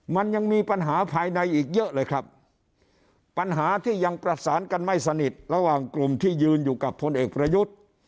มันยังมีปัญหาภายในอีกเยอะเลยครับปัญหาที่ยังประสานกันไม่สนิทระหว่างกลุ่มที่ยืนอยู่กับพลเอกประยุทธ์